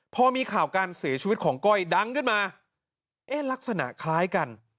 พอมีข่าวการเสียชีวิตของก้อยดังขึ้นมาเอ๊ะลักษณะคล้ายกัน